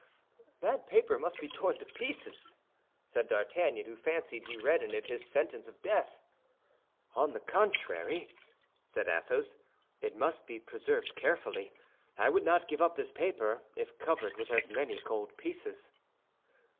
"That paper must be torn to pieces," said D'Artagnan, who fancied he read in it his sentence of death. "On the contrary," said Athos, "it must be preserved carefully. I would not give up this paper if covered with as many gold pieces."